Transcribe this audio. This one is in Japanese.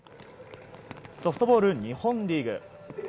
ソフトボール日本リーグ。